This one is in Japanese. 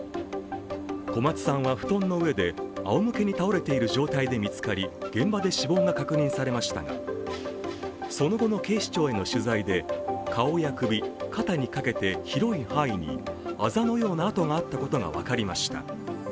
小松さんは布団の上で仰向けに倒れている状態で見つかり現場で死亡が確認されましたが、その後の警視庁への取材で顔や首、肩にかけて広い範囲にあざのような痕があったことが分かりました。